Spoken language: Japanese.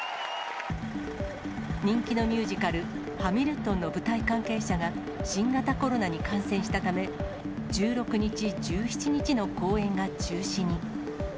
人気のミュージカル、ハミルトンの舞台関係者が、新型コロナに感染したため、１６日、１７日の公演が中止に。